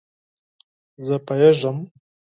زه پوهیږم